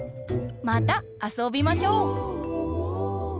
またあそびましょう！